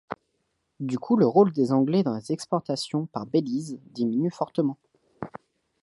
Du coup, le rôle des anglais dans les exportations par Belize diminue fortement.